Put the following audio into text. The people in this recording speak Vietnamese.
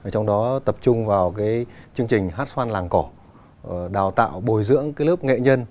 trong đó tập trung vào chương trình hát xoan làng cổ đào tạo bồi dưỡng lớp nghệ nhân